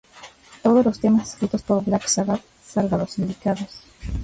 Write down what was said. Todos los temas escritos por Black Sabbath, salvo los indicados